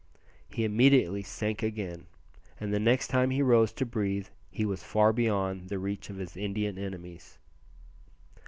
He immediately sank again, and the next time he rose to breathe he was far beyond the reach of his Indian enemies.